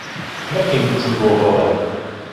نەکەی بچی بۆ هۆبە